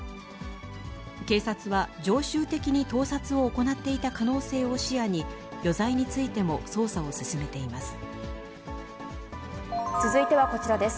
警察は常習的に盗撮を行っていた可能性を視野に、余罪についても捜査を進めています。